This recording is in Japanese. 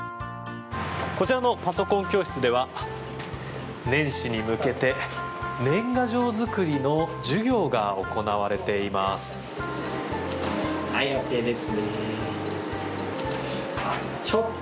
こちらのパソコン教室では年始に向けて年賀状作りの授業が行われています。